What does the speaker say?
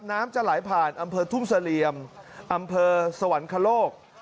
น้ำจะไหลผ่านอำเภอทุ่งเสลี่ยมอำเภอสวรรคโลก